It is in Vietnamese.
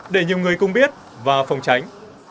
để nhiều người cũng biết và phòng tránh